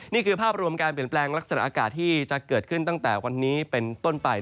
นี่คือภาพรวมการเปลี่ยนแปลงลักษณะอากาศที่จะเกิดขึ้นตั้งแต่วันนี้เป็นต้นไป